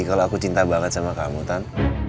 kalau aku cinta banget sama kamu kan